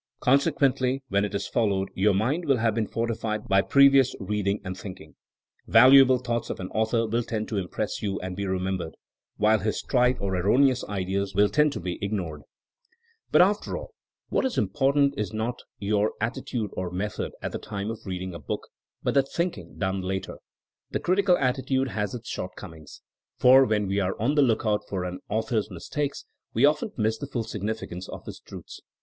Consequently when it is followed your mind will have been fortified by previous reading and thinking; valuable thoughts of an author will tend to im press you and be remembered, while his trite or erroneous ideas will tend to be ignored. 178 THINEINO AS A SCIENCE But after all, what is important is not your at titude or method at the time of reading a book, but the thinking done later. The critical atti tude has its shortcomings, for when we are on the lookout for an author's mistakes we often miss the full significance of his truths.